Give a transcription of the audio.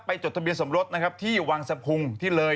ไปจดทะเบียนสมรสที่วังสะพุงที่เลย